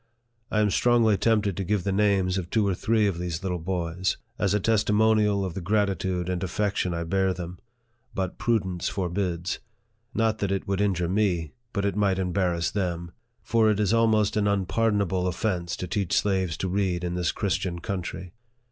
I am strongly tempted to give the names of two or three of those little boys, as a testimonial of the gratitude and affection I bear them ; but prudence forbids ; not that it would injure me, but it might embarrass them ; for it is almost an unpar donable offence to teach slaves to read in this Christian country.